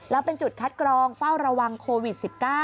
แล้วเป็นจุดคัดกรองเฝ้าระวังโควิด๑๙